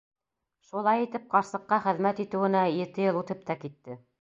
Шулай итеп ҡарсыҡҡа хеҙмәт итеүенә ете йыл үтеп тә китте.